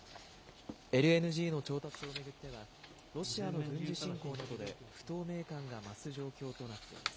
ＬＮＧの調達を巡っては、ロシアの軍事侵攻などで不透明感が増す状況となっています。